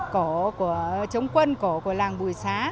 của chống quân của làng bùi xá